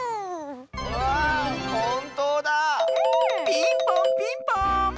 ピンポンピンポーン！